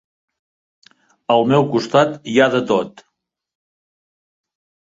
Al meu costat hi ha de tot.